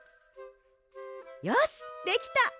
よしできた！